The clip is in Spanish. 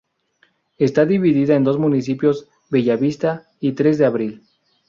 Está dividida en dos municipios: Bella Vista y Tres de Abril.